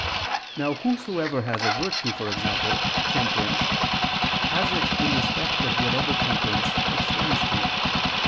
Now whosoever has a virtue, e.g. temperance, has it in respect of whatever temperance extends to.